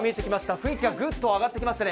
雰囲気がグッと上がってきましたね。